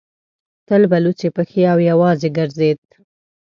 تل به لڅې پښې او یوازې ګرځېد.